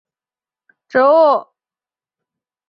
大叶银背藤是旋花科银背藤属的植物。